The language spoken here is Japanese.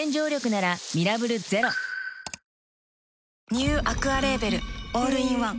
ニューアクアレーベルオールインワン